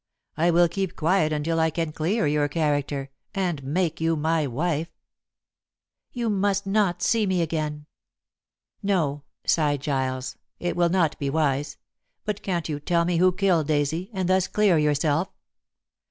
I will keep quiet until I can clear your character, and make you my wife." "You must not see me again." "No," sighed Giles, "it will not be wise. But can't you tell me who killed Daisy, and thus clear yourself?"